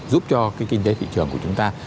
giúp cho cái kinh tế thị trường của chúng ta